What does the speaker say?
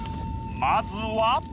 まずは。